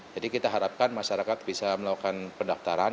jadi kita harapkan masyarakat bisa melakukan pendaftaran